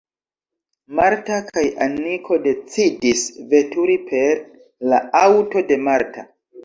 Marta kaj Aniko decidis veturi per la aŭto de Marta.